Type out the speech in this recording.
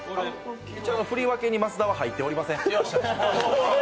振り分けに益田は入っておりません。